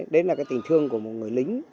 đấy là cái tình thương của một người lính